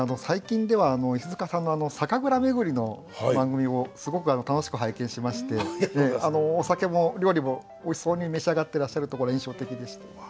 最近では石塚さんの酒蔵巡りの番組をすごく楽しく拝見しましてお酒も料理もおいしそうに召し上がってらっしゃるところが印象的でした。